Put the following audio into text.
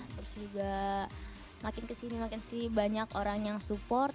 terus juga makin kesini makin sih banyak orang yang support